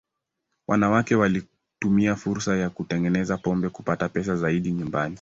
Wanawake walitumia fursa ya kutengeneza pombe kupata pesa zaidi nyumbani.